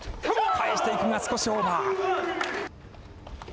返していくが、少しオーバー。